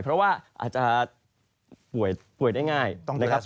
เพราะว่าอาจจะป่วยได้ง่ายนะครับ